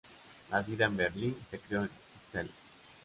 Nacida en Berlín, se crio en Ixelles.